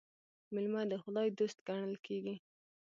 مېلمه د خداى دوست ګڼل کېږي.